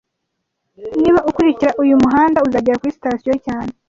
Niba ukurikira uyu muhanda, uzagera kuri sitasiyo cyane